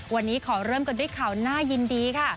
วันนี้ขอเริ่มกันด้วยข่าวน่ายินดีค่ะ